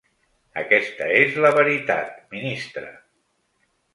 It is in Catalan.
Aquesta és la veritat, ministre.